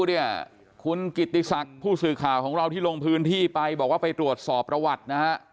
เนี่ยคุณกิติศักดิ์ผู้สื่อข่าวของเราที่ลงพื้นที่ไปบอกว่าไปตรวจสอบประวัตินะฮะ